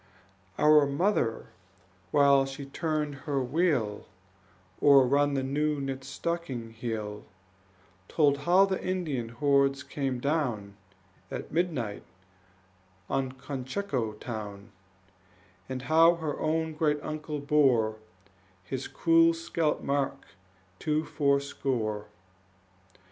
Our mother, while she turned her wheel Or run the new knit stocking heel, Told how the Indian hordes came down At midnight on Cocheco town, And how her own great uncle bore His cruel scalp mark to fourscore.